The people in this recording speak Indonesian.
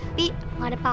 tapi gak ada apa apa